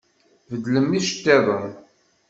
Beddlem iceṭṭiḍen!